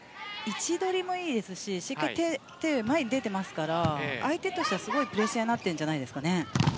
位置取りもいいですし手が前に出ていますから相手としてはプレッシャーになっているんじゃないですかね。